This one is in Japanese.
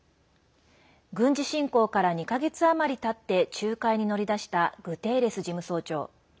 軍事侵攻から２か月余りたって仲介に乗り出したグテーレス事務総長。